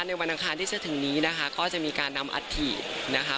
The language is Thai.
ในวันทางค้าที่เชื่อถึงนี้นะคะก็จะมีการนำอัฐินะคะ